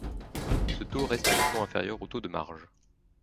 Ce taux reste nettement inférieur au taux de marge.